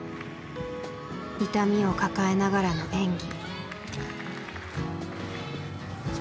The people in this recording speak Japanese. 痛みを抱えながらの演技。